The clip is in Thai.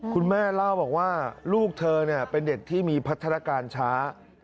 คุณแม่เล่าบอกว่าลูกเธอเป็นเด็กที่มีพัฒนาการช้า